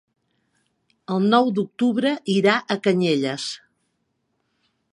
El nou d'octubre irà a Canyelles.